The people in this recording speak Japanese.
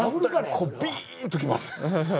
こうビィーーン！ときます。